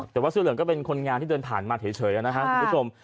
แต่ว่าเสื้อเหลืองก็เป็นคนงานที่เดินผ่านมาเฉยนะครับคุณผู้ชม